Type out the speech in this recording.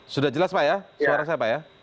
sudah jelas pak ya suara saya pak ya